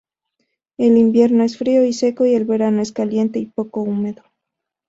El invierno es frío y seco y el verano es caliente y poco húmedo.